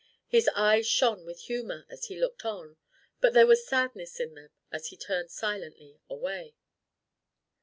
His eyes shone with humor as he looked on; but there was sadness in them as he turned silently away.